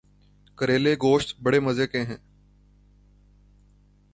کریلے گوشت بڑے مزے کے ہیں